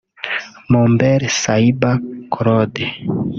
Mumbele Saiba Claude